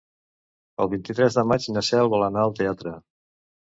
El vint-i-tres de maig na Cel vol anar al teatre.